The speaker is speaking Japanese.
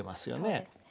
そうです。